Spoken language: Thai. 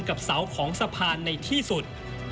กับเสาของสะพานในที่สุด